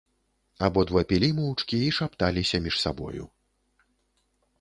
Абодва пілі моўчкі і шапталіся між сабою.